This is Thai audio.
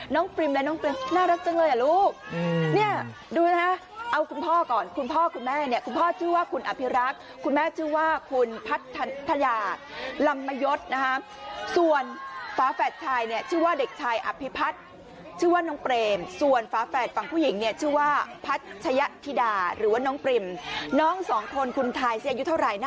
น้องปริมเลยน้องปริมน่ารักจังเลยลูกเนี่ยดูนะครับเอาคุณพ่อก่อนคุณพ่อคุณแม่เนี่ยคุณพ่อชื่อว่าคุณอภิรักษ์คุณแม่ชื่อว่าคุณพัฒนธญาติลำมยศนะครับส่วนฝาแฝดชายเนี่ยชื่อว่าเด็กชายอภิพัฒน์ชื่อว่าน้องเปรมส่วนฝาแฝดฝั่งผู้หญิงเนี่ยชื่อว่าพัฒยธิดาหรือว่าน